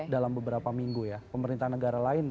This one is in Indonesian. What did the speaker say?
dalam beberapa minggu ya pemerintah negara lain